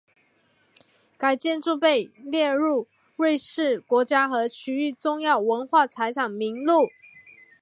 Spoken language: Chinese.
该建筑被列入瑞士国家和区域重要文化财产名录。